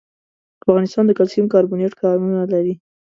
افغانستان د کلسیم کاربونېټ کانونه لري.